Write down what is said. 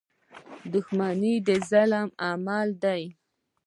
• دښمني د ظالم عمل دی.